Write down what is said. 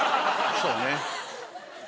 そうね